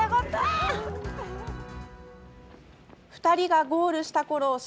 ２人がゴールしたころ